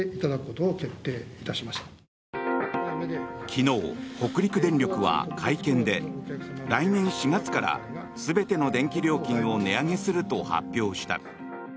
昨日、北陸電力は会見で来年４月から全ての電気料金を値上げすると発表した。